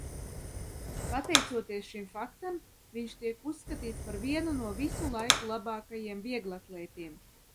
Pateicoties šim faktam, viņš tiek uzskatīts par vienu no visu laiku labākajiem vieglatlētiem.